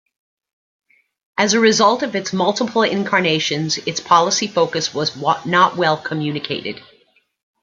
As a result of its multiple incarnations, its policy focus was not well communicated.